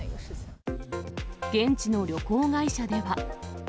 現地の旅行会社では。